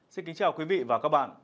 xin kính chào quý vị và các bạn